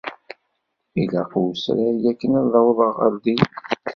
Ilaq usrag akken ad tawḍeḍ ar din.